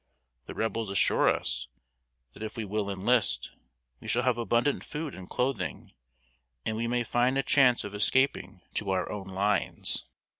The Rebels assure us that if we will enlist, we shall have abundant food and clothing; and we may find a chance of escaping to our own lines."